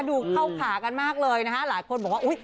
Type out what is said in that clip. ดูเข้าผลากันมากเลยนะหลายคนบอกว่า